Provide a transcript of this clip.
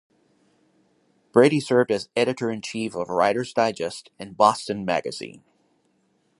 Brady served as editor-in-chief of "Writer's Digest" and "Boston" magazine.